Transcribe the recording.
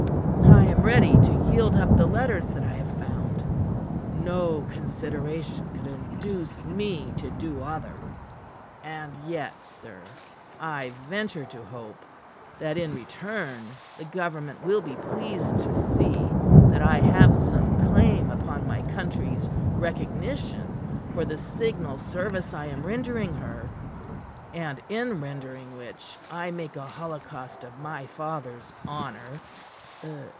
I am ready to yield up the letters that I have found. No consideration could induce me to do other; and yet, sir, I venture to hope that in return, the government will be pleased to see that I have some claim upon my country's recognition for the signal service I am rendering her and in rendering which I make a holocaust of my father's honor."